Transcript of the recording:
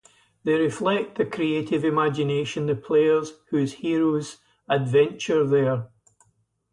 They reflect the creative imagination the players whose heroes adventure there.